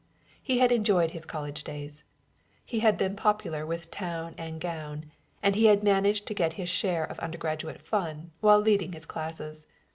He had enjoyed his college days; he had been popular with town and gown; and he had managed to get his share of undergraduate fun while leading his classes.